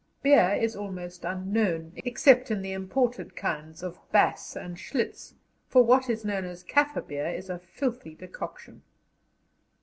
Beer is almost unknown, except the imported kinds of Bass and Schlitz, for what is known as "Kaffir beer" is a filthy decoction.